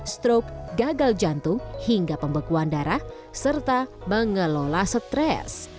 stroke gagal jantung hingga pembekuan darah serta mengelola stres